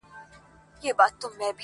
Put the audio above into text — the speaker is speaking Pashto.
• هغه چي ماته يې په سرو وینو غزل ليکله_